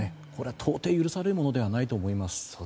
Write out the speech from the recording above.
到底許されるものではないと思います。